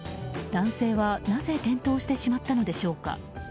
男性は、なぜ転倒してしまったのでしょうか。